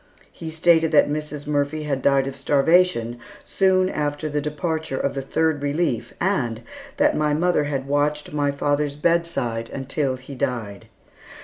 He stated that Mrs. Murphy had died of starvation soon after the departure of the "Third Relief," and that my mother had watched by father's bedside until he died.